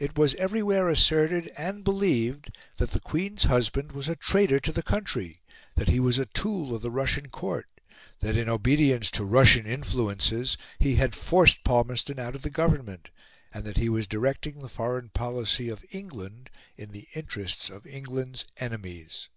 It was everywhere asserted and believed that the Queen's husband was a traitor to the country, that he was a tool of the Russian Court, that in obedience to Russian influences he had forced Palmerston out of the Government, and that he was directing the foreign policy of England in the interests of England's enemies.